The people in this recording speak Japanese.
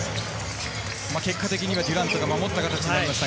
結果的にはデュラントが守った形になりました。